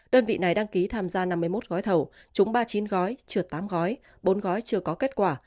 đơn vị này đăng ký tham gia năm mươi một gói thầu chúng ba mươi chín gói trượt tám gói bốn gói chưa có kết quả